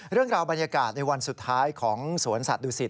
เรื่องราวบรรยากาศในวันสุดท้ายของสวนสัตวศิษ